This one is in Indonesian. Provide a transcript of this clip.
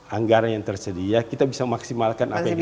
anggaran yang tersedia kita bisa maksimalkan apa yang kita